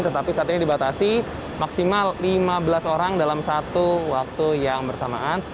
tetapi saat ini dibatasi maksimal lima belas orang dalam satu waktu yang bersamaan